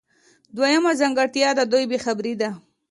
دویمه ځانګړتیا د دوی بې خبري ده.